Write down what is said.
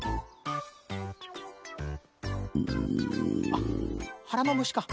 あっはらのむしか。